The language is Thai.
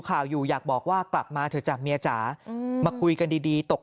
ข่าวอยู่อยากบอกว่ากลับมาเถอะจ้ะเมียจ๋ามาคุยกันดีดีตก